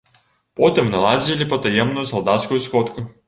Потым наладзілі патаемную салдацкую сходку.